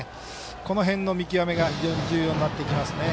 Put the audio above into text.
この辺の見極めが非常に重要になってきますね。